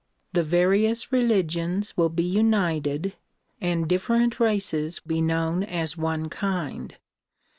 The various religions will be united and different races be known as one kind.